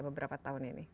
beberapa tahun ini